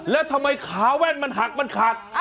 แล้วทำไมขาแว่นมันหักมันขาด